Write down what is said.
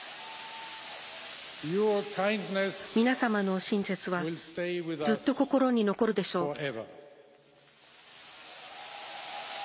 皆様の親切はずっと心に残るでしょう。